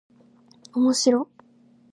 おもしろっ